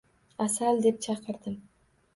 Asal, deb chaqirdim